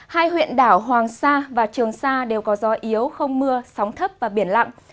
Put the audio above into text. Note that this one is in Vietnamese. hai huyện đảo hoàng sa và trường sa đều có gió yếu không mưa sóng thấp và biển lặng